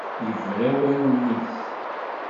Yebra i wallen-is.